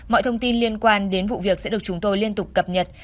mọi thông tin liên quan đến vụ việc sẽ được chúng tôi liên tục cập nhật